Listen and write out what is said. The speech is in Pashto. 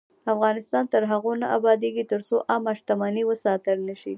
افغانستان تر هغو نه ابادیږي، ترڅو عامه شتمني وساتل نشي.